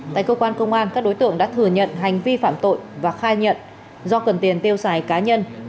tại cơ quan công an các đối tượng đã thừa nhận hành vi phạm tội và khai nhận do cần tiền tiêu xài cá nhân